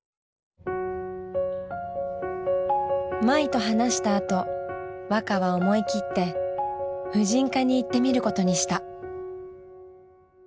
まいと話したあとわかは思い切って婦人科に行ってみることにした。